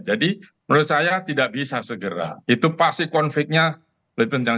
jadi menurut saya tidak bisa segera itu pasti konfliknya lebih penting